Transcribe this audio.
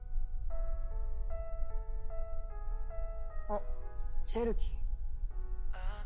あっチェルキー。